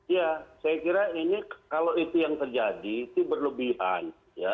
ya saya kira ini kalau itu yang terjadi itu berlebihan